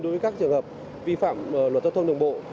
đối với các trường hợp vi phạm luật giao thông đường bộ